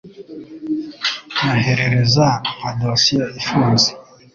Nyoherereza nka dosiye ifunze